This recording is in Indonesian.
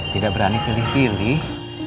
tidak berani pilih pilih